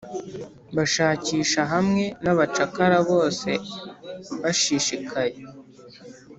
bashakisha hamwe nabacakara bose bashishikaye